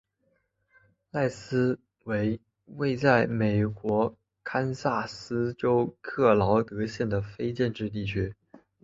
赖斯为位在美国堪萨斯州克劳德县的非建制地区。